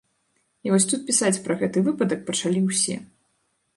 І вось тут пісаць пра гэты выпадак пачалі ўсё.